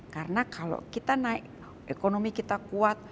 karena kalau kita naik ekonomi kita kuat